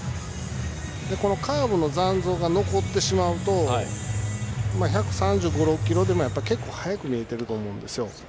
カーブの残像が残ってしまうと１３５１３６キロでも結構速く見えていると思うんです。